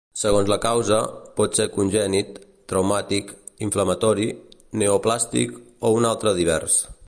Segons la causa, pot ser congènit, traumàtic, inflamatori, neoplàstic o un altre divers.